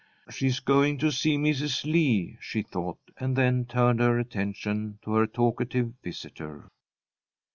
"She's going to see Mrs. Lee," she thought, and then turned her attention to her talkative visitor.